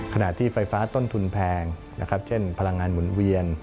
ขณะที่ไฟฟ้าต้นทุนแพงนะครับเช่นพลังงานหมุนเวียน